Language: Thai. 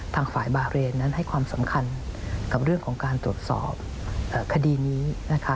ทางฝ่ายบาเรนนั้นให้ความสำคัญกับเรื่องของการตรวจสอบคดีนี้นะคะ